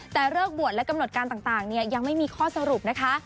แต่เลิกบวชและกำหนดการต่างยังไม่มีข้อสรุปนะคะ